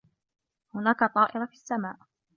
هناك طائرة في السّماء.